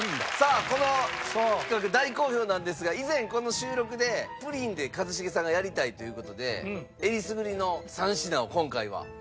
さあこの企画大好評なんですが以前この収録でプリンで一茂さんがやりたいという事で選りすぐりの３品を今回は。